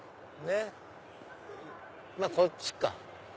まぁこっちか。